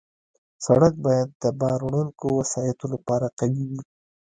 سړک باید د بار وړونکو وسایطو لپاره قوي وي.